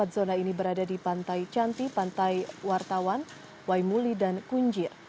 empat zona ini berada di pantai cantik pantai wartawan waimuli dan kunjir